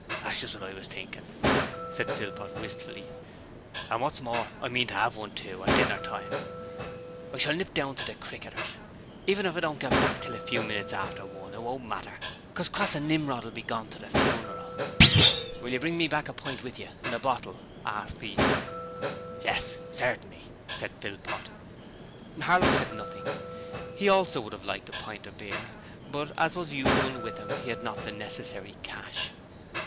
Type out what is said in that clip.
'That's just what I was thinkin',' said Philpot, wistfully, 'and what's more, I mean to 'ave one, too, at dinner time. I shall nip down to the "Cricketers". Even if I don't get back till a few minutes after one, it won't matter, because Crass and Nimrod will be gorn to the funeral.' 'Will you bring me a pint back with you, in a bottle?' asked Easton. 'Yes, certainly,' said Philpot. Harlow said nothing. He also would have liked a pint of beer, but, as was usual with him, he had not the necessary cash.